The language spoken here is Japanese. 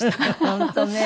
本当ね。